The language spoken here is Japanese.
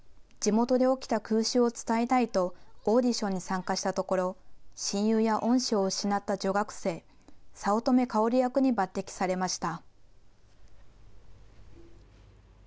地元で起きた空襲を伝えたいと、オーディションに参加したところ、親友や恩師を失った女学生、早乙女薫役に抜てきされました。